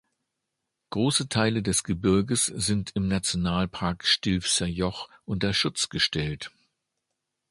Große Teile des Gebirges sind im Nationalpark Stilfser Joch unter Schutz gestellt.